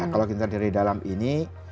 kalau kita dari dalam ini